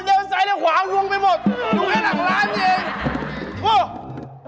เยื้อซ้ายแล้วขวารุงไปหมดอยู่ไอ้หลังร้านนี่เอง